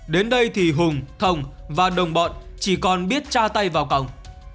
đến đây thì hùng thông và đồng bọn chỉ còn biết tra tay vào cổng